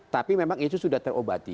tapi memang itu sudah terobati